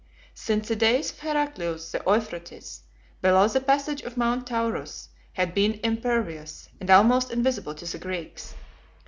Since the days of Heraclius, the Euphrates, below the passage of Mount Taurus, had been impervious, and almost invisible, to the Greeks.